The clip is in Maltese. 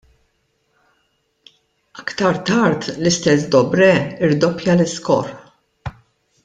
Aktar tard l-istess Dobre rdoppja l-iskor.